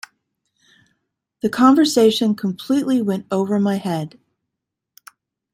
The conversation completely went over my head.